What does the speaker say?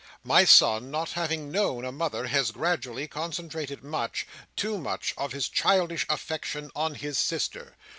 My son not having known a mother has gradually concentrated much—too much—of his childish affection on his sister.